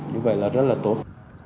như vậy là rất là tốt